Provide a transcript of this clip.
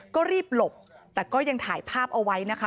ก็รีบหลบแต่ก็ยังถ่ายภาพเอาไว้นะคะ